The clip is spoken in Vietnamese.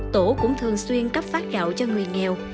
tổ cũng thường xuyên cấp phát gạo cho người nghèo